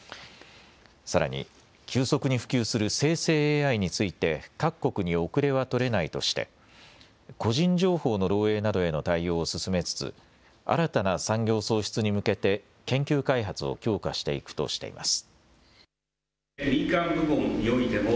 さらに急速に普及する生成ＡＩについて各国に遅れは取れないとして個人情報の漏えいなどへの対応を進めつつ新たな産業創出に向けて研究開発を強化していくとしています。